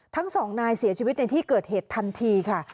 ทั้งสองนายเสียชีวิตในที่เกิดเหตุทันทีค่ะ